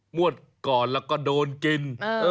งวดก่อนแล้วก็โดนกิน